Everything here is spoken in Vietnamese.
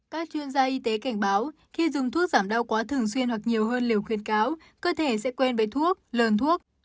các chuyên gia y tế cảnh báo khi dùng thuốc giảm đau quá thường xuyên hoặc nhiều hơn liều khuyến cáo cơ thể sẽ quen với thuốc lờn thuốc